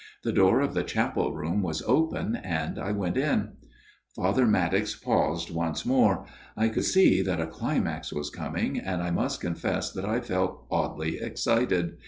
The door of the chapel room was open and I went in/' Father Maddox paused once more. I could see that a climax was coming, and I must confess that I felt oddly excited.